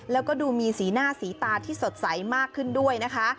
แล้วก็ดูมีสีหน้าสีตาที่สดใสมากขึ้นด้วยนะคะ